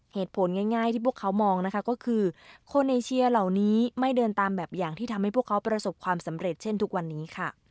เหตุผลง่ายที่พวกเขามองนะคะก็คือคนเอเชียเหล่านี้ไม่เดินตามแบบอย่างที่ทำให้พวกเขาประสบความสำเร็จเช่นทุกวันนี้ค่ะ